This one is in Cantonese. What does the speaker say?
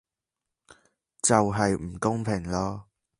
就係唔公平囉